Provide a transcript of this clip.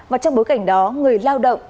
và trong bối cảnh đó người lao động